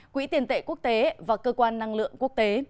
quỹ tiền tệ quốc tế và cơ quan năng lượng quốc tế